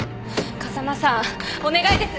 風間さんお願いです